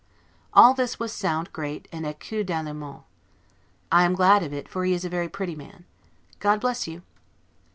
All this will sound great 'en ecus d'Allemagne'. I am glad of it, for he is a very pretty man. God bless you!